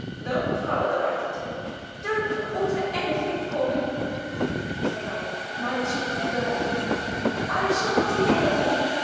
Don't trouble about it." "Don't order anything for me," said I, my cheeks burning. "I shall not eat anything."